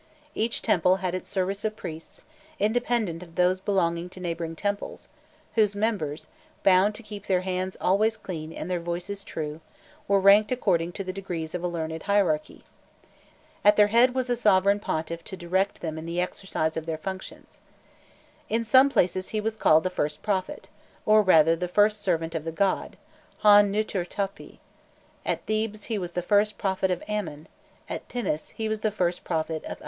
Each temple had its service of priests, independent of those belonging to neighbouring temples, whose members, bound to keep their hands always clean and their voices true, were ranked according to the degrees of a learned hierarchy. At their head was a sovereign pontiff to direct them in the exercise of their functions. In some places he was called the first prophet, or rather the first servant of the god hon nûtir topi; at Thebes he was the first prophet of Amon, at Thinis he was the first prophet of Anhûri.